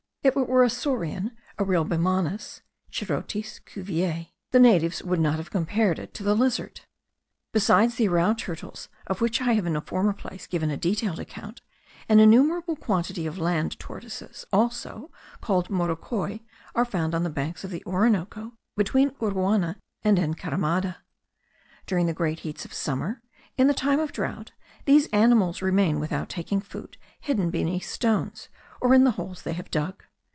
If it were a saurian, a real Bimanis (Chirotes, Cuvier), the natives would not have compared it to a lizard. Besides the arrau turtles, of which I have in a former place given a detailed account, an innumerable quantity of land tortoises also, called morocoi, are found on the banks of the Orinoco, between Uruana and Encaramada. During the great heats of summer, in the time of drought, these animals remain without taking food, hidden beneath stones, or in the holes they have dug.